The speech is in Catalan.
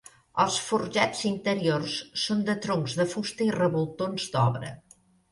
Els forjats interiors són de troncs de fusta i revoltons d'obra.